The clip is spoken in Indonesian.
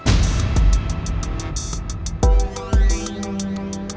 dia sudah kena penderitaan